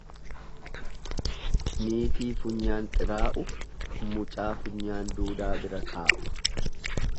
Niitii funyaan xiraa'u mucaa funyaan duudaa bira kaa'u.